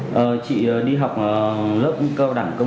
học máy thì học ở trên trường cấp hai